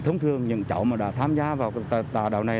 thông thường những cháu mà đã tham gia vào tà đạo này